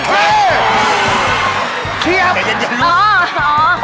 เฮ้เคลียบ